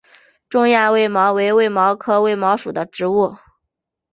中亚卫矛为卫矛科卫矛属的植物。